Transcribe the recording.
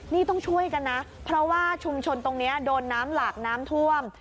นี่ต้องช่วยกันนะเพราะว่าชุมชนตรงนี้โดนน้ำหลากน้ำท่วม